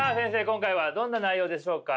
今回はどんな内容でしょうか？